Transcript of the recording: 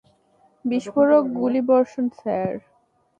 বিস্ফোরক গুলিবর্ষণ, স্যার।